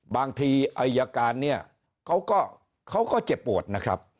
บางทีอายการเนี่ยเขาก็เจ็บปวดนะครับ